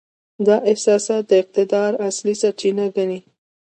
دا احساسات د اقتدار اصلي سرچینه ګڼي.